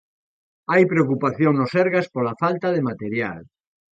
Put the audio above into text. Hai preocupación no Sergas pola falta de material.